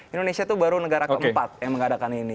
indonesia itu baru negara keempat yang mengadakan ini